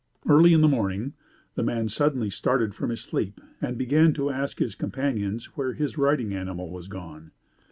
Early in the morning the man suddenly started from his sleep and began to ask his companions where his riding animal was gone.